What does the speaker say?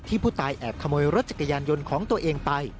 ผู้ตายแอบขโมยรถจักรยานยนต์ของตัวเองไป